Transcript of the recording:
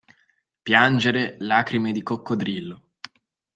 Piangere lacrime di coccodrillo.